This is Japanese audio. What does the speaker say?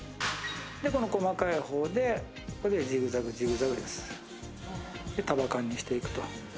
この細かい方でジグザグジグザグです、で、束感にしていくと。